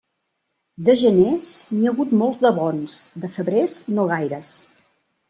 De geners n'hi ha hagut molts de bons; de febrers, no gaires.